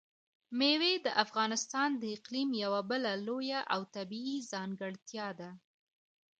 مېوې د افغانستان د اقلیم یوه بله لویه او طبیعي ځانګړتیا ده.